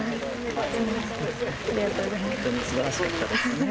本当にすばらしかったですね。